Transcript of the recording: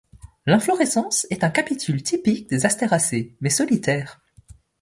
L'inflorescence est un capitule typique des Asteracées, mais solitaire.